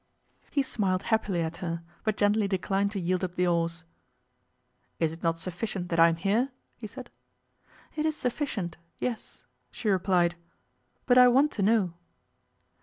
He smiled happily at her, but gently declined to yield up the oars. 'Is it not sufficient that I am here?' he said. 'It is sufficient, yes,' she replied, 'but I want to know.